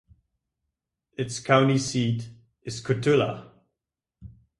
Its county seat is Cotulla.